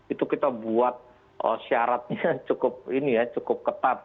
itu kita buat syaratnya cukup ketat